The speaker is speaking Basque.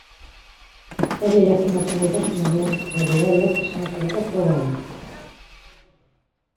Ikasle jakin baten gaitasunak neurtzeko berariaz diseinaturiko proba da.